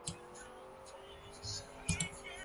但日军会暗地殴打战俘。